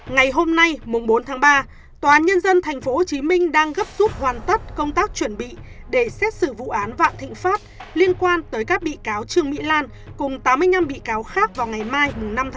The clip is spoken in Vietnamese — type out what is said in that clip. ngày hôm nay bốn tháng ba tòa án nhân dân tp hcm đang gấp rút hoàn tất công tác chuẩn bị để xét xử vụ án vạn thịnh pháp liên quan tới các bị cáo trương mỹ lan cùng tám mươi năm bị cáo khác vào ngày mai năm một mươi